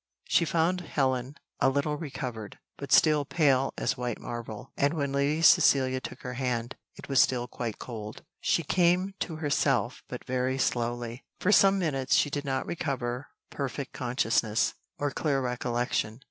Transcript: She found Helen a little recovered, but still pale as white marble; and when Lady Cecilia took her hand, it was still quite cold. She came to herself but very slowly. For some minutes she did not recover perfect consciousness, or clear recollection.